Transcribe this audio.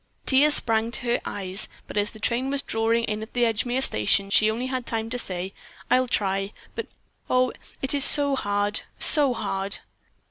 Tears sprang to her eyes, but as the train was drawing in at the Edgemere station she only had time to say, "I'll try. But, oh, it is so hard, so hard."